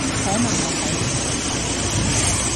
可能我口味獨特